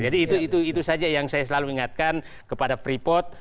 jadi itu saja yang saya selalu ingatkan kepada freeport